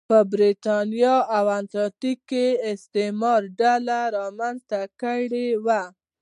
په برېتانیا او اتلانتیک کې استعمار ډله رامنځته کړې وه.